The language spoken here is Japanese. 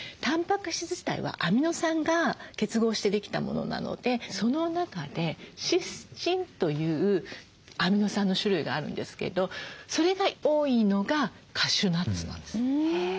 たんぱく質自体はアミノ酸が結合してできたものなのでその中でシスチンというアミノ酸の種類があるんですけどそれが多いのがカシューナッツなんです。